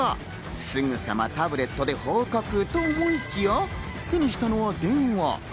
すぐさまタブレットで報告と思いきや、手にしたのは電話。